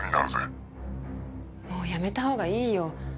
もうやめた方がいいよ。